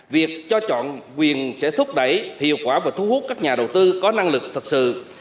việc cho chọn quyền sẽ thúc đẩy hiệu quả và thu hút các nhà đầu tư có năng lực thật sự